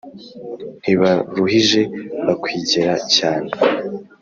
ntibaruhije bakwigera cyane